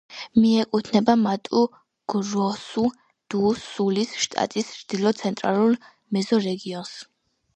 მიეკუთვნება მატუ-გროსუ-დუ-სულის შტატის ჩრდილო-ცენტრალურ მეზორეგიონს.